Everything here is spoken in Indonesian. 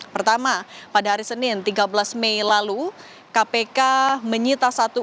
pertama pada hari senin tiga belas mei lalu kpk menyita satu